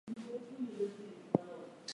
Worth who served in the Mexican-American War.